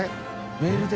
メールで？